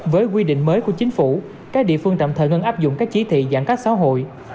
với quy định mới của chính phủ các địa phương tạm thời ngân áp dụng các chỉ thị giãn cách xã hội